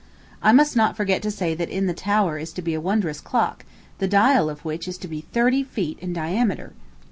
I must not forget to say that in the tower is to be a wondrous clock, the dial of which is to be thirty feet in diameter!